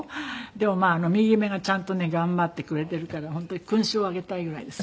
でもまあ右目がちゃんとね頑張ってくれているから本当に勲章をあげたいぐらいです。